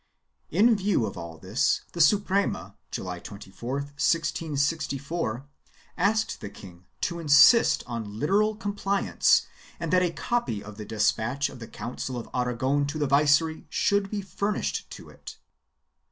In view of all this the Suprema, July 24, 1664, asked the king to insist on literal compliance and that a copy of the despatch of the Council of Aragon to the viceroy should be furnished to it.